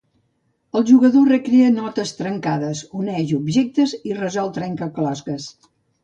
El jugador recrea notes trencades, uneix objectes i resol trencaclosques.